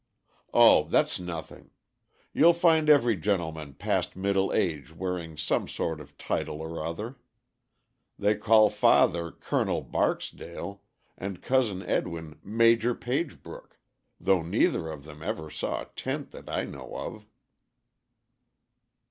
'" "O that's nothing! You'll find every gentleman past middle age wearing some sort of title or other. They call father 'Colonel Barksdale,' and Cousin Edwin 'Major Pagebrook,' though neither of them ever saw a tent that I know of."